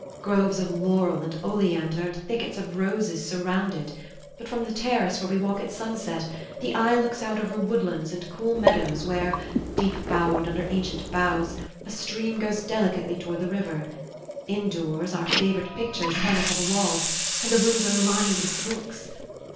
Groves of laurel and oleander and thickets of roses surround it; but from the terrace where we walk at sunset, the eye looks out over woodlands and cool meadows where, deep bowered under ancient boughs, a stream goes delicately toward the river. Indoors our favorite pictures hang upon the walls and the rooms are lined with books.